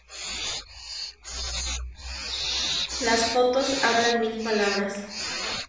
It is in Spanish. Las fotos hablan mil palabras.